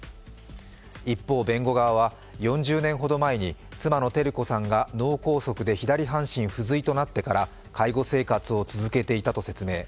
一方、弁護側は４０年ほど前に妻の照子さんが脳梗塞で左半身不随となってから介護生活を続けていたと説明。